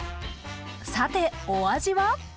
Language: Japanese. さてお味は？